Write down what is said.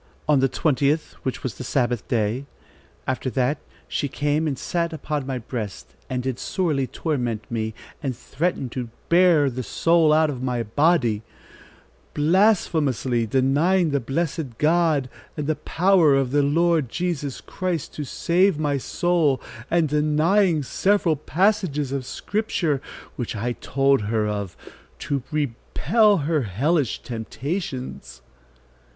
On the 20th, which was the Sabbath day. After that, she came and sat upon my breast and did sorely torment me and threaten to bear the soul out of my body, blasphemously denying the blessed God, and the power of the Lord Jesus Christ to save my soul, and denying several passages of Scripture, which I told her of, to repel her hellish temptations."